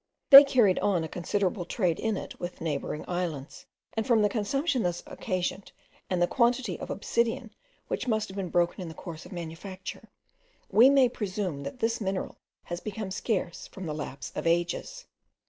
They carried on a considerable trade in it with the neighbouring islands; and from the consumption thus occasioned, and the quantity of obsidian which must have been broken in the course of manufacture, we may presume that this mineral has become scarce from the lapse of ages.